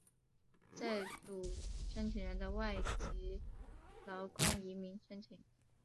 在主申请人的外籍劳工移民申请。